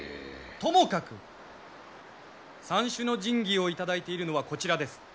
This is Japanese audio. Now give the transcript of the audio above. ともかく三種の神器をいただいているのはこちらです。